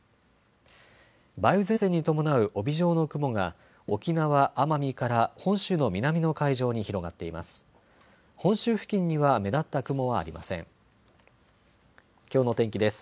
梅雨前線に伴う帯状の雲が沖縄、奄美から本州の南の海上に広がっています。